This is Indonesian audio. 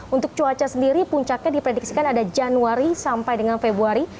untuk cuaca sendiri puncaknya diprediksikan ada januari sampai dengan februari